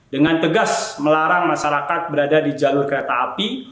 dengan tegas melarang masyarakat berada di jalur kereta api